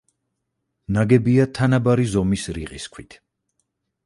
ნაგებია თანაბარი ზომის რიყის ქვით.